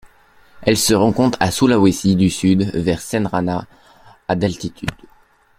Elle se rencontre au Sulawesi du Sud vers Cenrana à d'altitude.